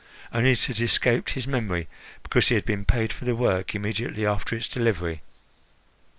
Only it had escaped his memory, because he had been paid for the work immediately after its delivery.